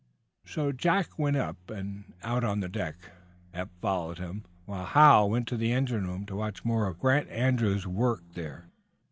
So Jack went up and out on the deck, Eph following him, while Hal went to the engine room to watch more of Grant Andrews' work there.